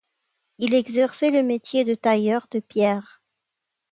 Il exerçait le métier de tailleur de pierres.